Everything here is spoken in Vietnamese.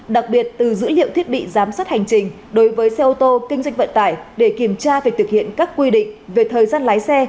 đặc biệt từ dữ liệu thiết bị giám sát hành trình đối với xe ô tô kinh doanh vận tải để kiểm tra việc thực hiện các quy định về thời gian lái xe